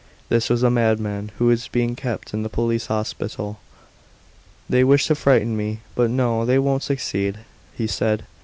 This was a madman who was being kept in the police hospital. "They wish to frighten me, but no, they won't succeed," he said.